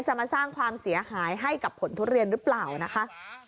จะมาสร้างความเสียหายให้กับผลทุเรียนหรือเปล่านะคะ